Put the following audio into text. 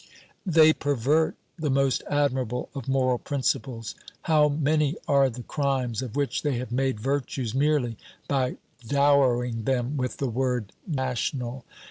They pervert the most admirable of moral principles. How many are the crimes of which they have made virtues merely by dowering them with the word "national"?